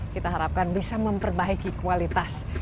kita harapkan bisa memperbaiki kualitas